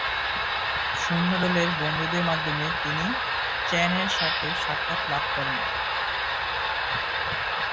সৈন্যদলের বন্ধুদের মাধ্যমে তিনি চেন-এর সাথে সাক্ষাৎ লাভ করেন।